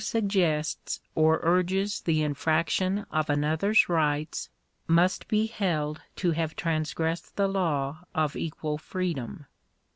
149 suggests or urges the infraction of another's rights, must be held to have transgressed the law of equal freedom.